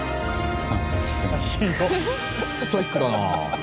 ストイックだなあ。